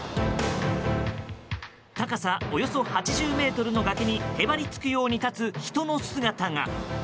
高さおよそ８０ｍの崖にへばりつくように立つ人の姿が。